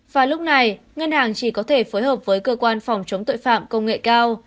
và lúc này ngân hàng chỉ có thể phối hợp với cơ quan phòng chống tội phạm công nghệ cao